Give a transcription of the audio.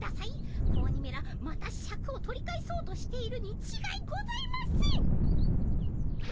子鬼めらまたシャクを取り返そうとしているにちがいございません。